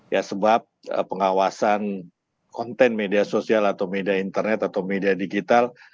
ya sebab pengawasan konten media sosial atau media internet atau media digital